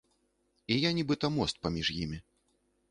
І я нібыта мост паміж імі.